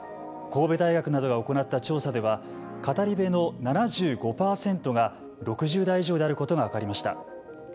神戸大学などが行った調査では語り部の７５％が６０代以上であることが分かりました。